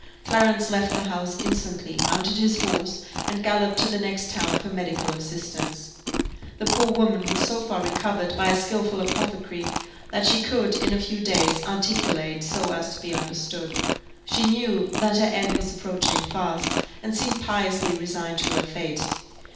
Clarence left the house instantly, mounted his horse, and galloped to the next town for medical assistance. The poor woman was so far recovered by a skilful apothecary, that she could, in a few days, articulate so as to be understood. She knew that her end was approaching fast, and seemed piously resigned to her fate.